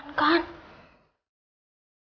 nah mas inis kagak paham juga toh